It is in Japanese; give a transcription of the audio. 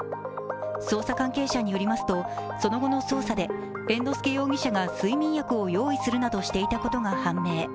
捜査関係者によりますと、その後の捜査で猿之助容疑者が睡眠薬を用意するなどしていたことが判明。